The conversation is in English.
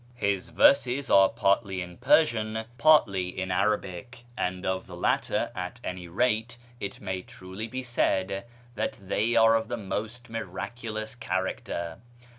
His verses are partly in Persian, partly in Arabic, and of the latter, a^. any rate, it may truly be said that they are of the most miraculous character.